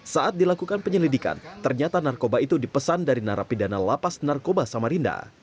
saat dilakukan penyelidikan ternyata narkoba itu dipesan dari narapidana lapas narkoba samarinda